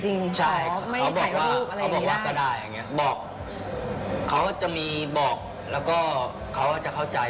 เขาบอกว่าก็ได้บอกเขาก็จะมีบอกแล้วก็เขาก็จะเข้าใจ